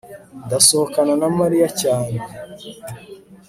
ndasohokana na mariya cyane